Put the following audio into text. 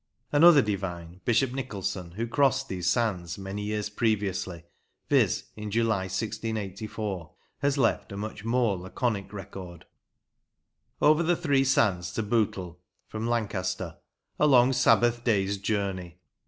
Another divine, Bishop Nicolson, who crossed these sands many years previously, viz., in July, 1684, nas left a much more laconic record :" Over ye three sands to Bootle" [from Lancaster] "a long Sabbath day's journey."